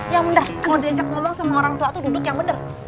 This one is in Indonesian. ya bener kalo diajak tolong sama orang tua tuh duduk yang bener